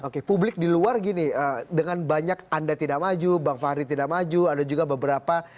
oke publik di luar gini dengan banyak anda tidak maju bang fahri tidak maju ada juga beberapa